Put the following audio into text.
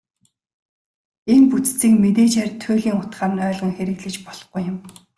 Энэ бүтцийг мэдээжээр туйлын утгаар нь ойлгон хэрэглэж болохгүй юм.